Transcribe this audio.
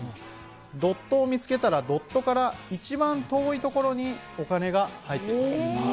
ドットを見つけたら、ドットから一番遠いところにお金が入っています。